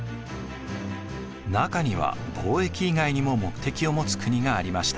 中には貿易以外にも目的を持つ国がありました。